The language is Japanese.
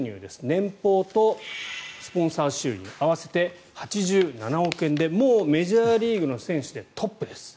年俸とスポンサー収入合わせて８７億円でもうメジャーリーグの選手でトップです。